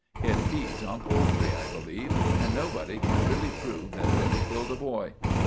It feeds on poultry, I believe, and nobody can really prove that it ever killed a boy.